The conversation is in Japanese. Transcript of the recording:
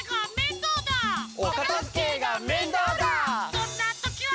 そんなときは！